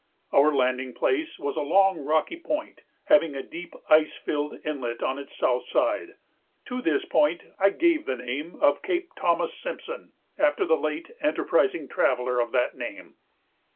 Our landing place was a long rocky point having a deep ice filled inlet on its south side. To this point I gave the name of Cape Thomas Simpson, after the late enterprising traveller of that name.